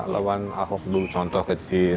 lawan ahok dulu contoh kecil